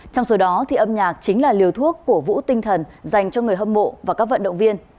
trong số đó thì âm nhạc chính là liều thuốc cổ vũ tinh thần dành cho người hâm mộ và các vận động viên